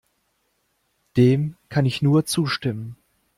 Dem kann ich nur zustimmen.